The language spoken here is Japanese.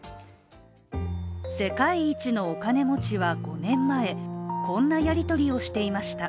世界一のお金持ちは５年前、こんなやり取りをしていました。